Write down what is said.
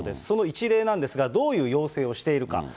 その一例なんですが、どういう要請をしているか。